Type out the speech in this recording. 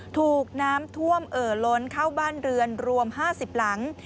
ถูกน้ำท่วมเอ่อล้นเข้าบ้านเรือนรวม๕๐หลัง